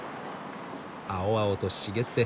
青々と茂って。